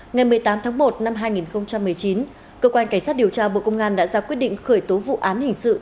ngày một mươi tám tháng một năm hai nghìn một mươi chín cơ quan cảnh sát điều tra bộ công an đã ra quyết định khởi tố vụ án hình sự